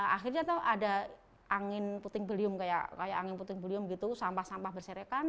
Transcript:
akhirnya tuh ada angin puting beliung kayak angin puting beliung gitu sampah sampah berserekan